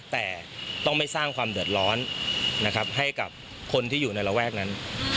แต่ต้องไม่สร้างความเดือดร้อนนะครับให้กับคนที่อยู่ในระแวกนั้น